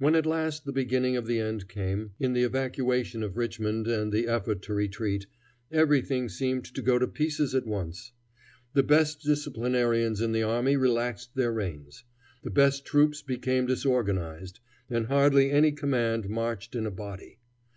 When at last the beginning of the end came, in the evacuation of Richmond and the effort to retreat, everything seemed to go to pieces at once. The best disciplinarians in the army relaxed their reins. The best troops became disorganized, and hardly any command marched in a body.